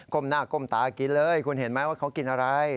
หน้าก้มตากินเลยคุณเห็นไหมว่าเขากินอะไร